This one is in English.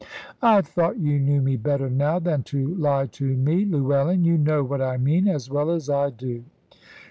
"I thought you knew me better now than to lie to me, Llewellyn. You know what I mean as well as I do."